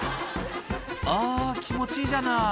あー、気持ちいいじゃない。